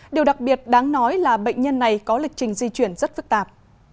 điều đặc biệt đáng nói là bệnh nhân này có lịch trình di chuyển rất phức tạp